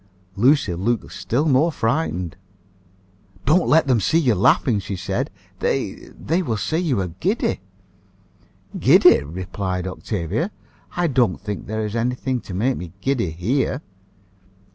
Lucia looked still more frightened. "Don't let them see you laughing," she said. "They they will say you are giddy." "Giddy!" replied Octavia. "I don't think there is any thing to make me giddy here."